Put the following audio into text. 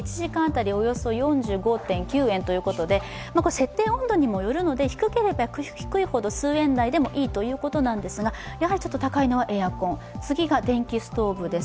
設定温度にもよるので低ければ低いほど数円台でもいいということなんですがちょっと高いのはエアコン、次が電気ストーブです。